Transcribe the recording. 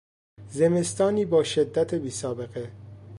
زمستانی با شدت بیسابقه